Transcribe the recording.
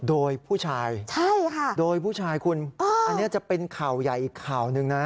โดยผู้ชายใช่ค่ะโดยผู้ชายคุณอันนี้จะเป็นข่าวใหญ่อีกข่าวหนึ่งนะ